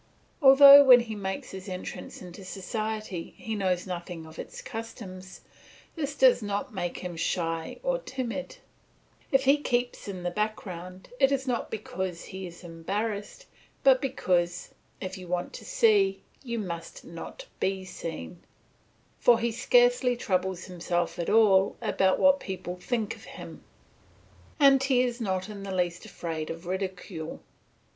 Although when he makes his entrance into society he knows nothing of its customs, this does not make him shy or timid; if he keeps in the background, it is not because he is embarrassed, but because, if you want to see, you must not be seen; for he scarcely troubles himself at all about what people think of him, and he is not the least afraid of ridicule.